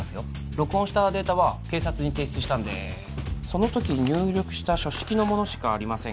録音したデータは警察に提出したんでその時入力した書式のものしかありません